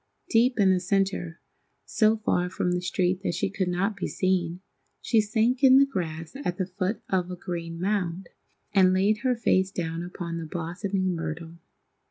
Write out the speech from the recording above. Deep in the centre, so far from the street that she could not be seen, she sank in the grass at the foot of a green mound, and laid her face down upon the blossoming myrtle.